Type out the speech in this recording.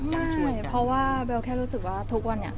ช่วยเพราะว่าเบลแค่รู้สึกว่าทุกวันนี้